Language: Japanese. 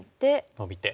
ノビて。